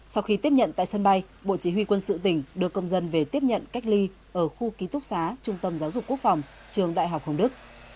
sau khi tiếp nhận tại sân bay bộ chỉ huy quân sự tỉnh đưa công dân về tiếp nhận cách ly ở khu ký túc xá trung tâm giáo dục quốc phòng trường đại học hồng đức